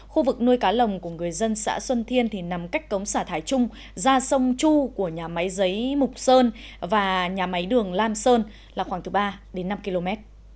khu vực nuôi cá lồng của người dân xã xuân thiên nằm cách cống xã thái trung ra sông chu của nhà máy giấy mục sơn và nhà máy đường lam sơn khoảng ba năm km